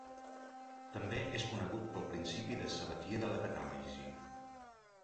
També és conegut pel principi de Sabatier de la catàlisi.